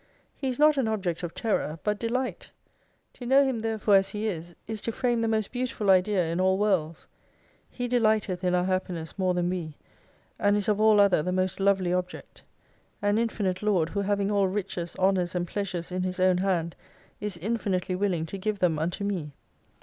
He is not an Object of Terror, but Delight. To know Him therefore as He is, is to frame the most beautiful idea in all Worlds. He delighteth in our happiness more than we : and is of all other the most Lovely Object. An infinite Lord, who having all Riches, Honors, and Pleasures in His own hand, is infinitely willing to give them unto me.